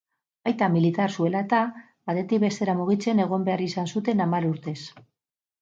Aita militar zuela eta, batetik bestera mugitzen egon behar izan zuten hamar urtez.